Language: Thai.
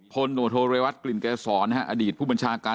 คนหนวดโทเรวัชกลิ่นแก่สอนนะครับอดีตผู้บัญชากาล